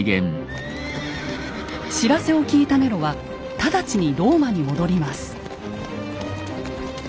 知らせを聞いたネロは直ちにローマに戻ります。